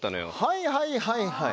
はいはいはいはい。